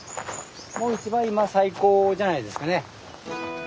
もう一番今最高じゃないですかね。